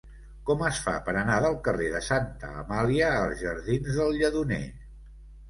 Com es fa per anar del carrer de Santa Amàlia als jardins del Lledoner?